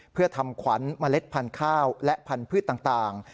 เพื่อทำขวัญเมล็ดพันธุ์ข้าวและพันธุ์ต่าง